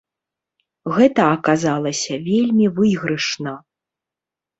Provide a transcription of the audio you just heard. Гэта аказалася вельмі выйгрышна.